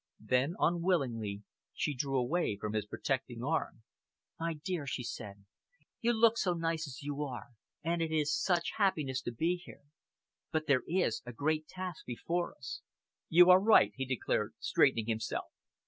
Then, unwillingly, she drew away from his protecting arm. "My dear," she said, "you look so nice as you are, and it is such happiness to be here, but there is a great task before us." "You are right," he declared, straightening himself.